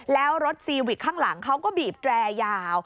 แล้วรถซีวิกข้างหลังเขาก็บีบแตรยาว